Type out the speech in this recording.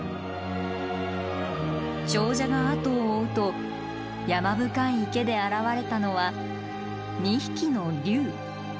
長者が後を追うと山深い池で現れたのは２匹の竜。